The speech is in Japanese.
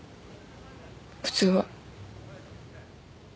普通は。